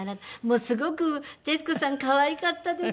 もうすごく徹子さん可愛かったです。